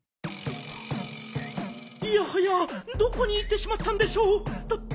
いやはやどこにいってしまったんでしょう？と